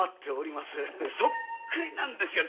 そっくりなんですよ